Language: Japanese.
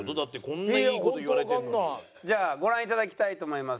じゃあご覧頂きたいと思います。